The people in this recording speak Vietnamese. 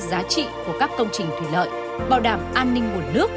giá trị của các công trình thủy lợi bảo đảm an ninh nguồn nước